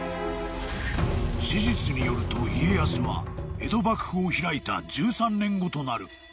［史実によると家康は江戸幕府を開いた１３年後となる１６１６年病により